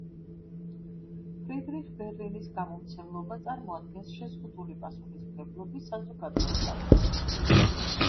ფრიდრიხ ბერლინის გამომცემლობა წარმოადგენს შეზღუდული პასუხისმგებლობის საზოგადოებას.